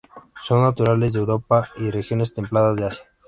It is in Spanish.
Son naturales de Europa y regiones templadas de Asia.